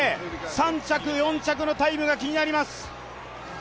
３着、４着のタイムが気になります。